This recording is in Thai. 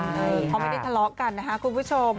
ไม่ได้ทะลอกกันนะครับคุณผู้ชม